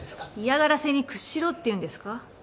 嫌がらせに屈しろっていうんですか？